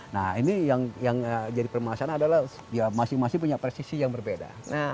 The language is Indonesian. nah ini yang jadi permasalahan adalah ya masing masing punya presisi yang berbeda